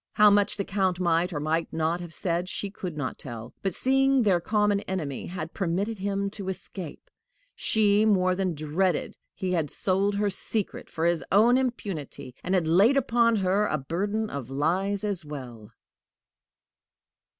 How much the Count might or might not have said, she could not tell; but, seeing their common enemy had permitted him to escape, she more than dreaded he had sold her secret for his own impunity, and had laid upon her a burden of lies as well.